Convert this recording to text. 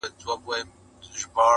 د هغه شپې څخه شپې نه کلونه تېر سوله خو’